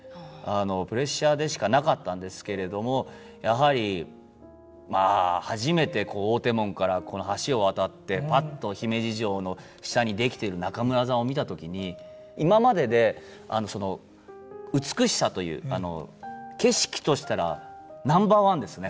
プレッシャーでしかなかったんですけれどもやはりまあ初めてこう大手門からこの橋を渡ってパッと姫路城の下に出来てる中村座を見た時に今までで美しさという景色としたらナンバーワンですね